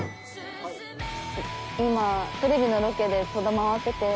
今テレビのロケで戸田回ってて。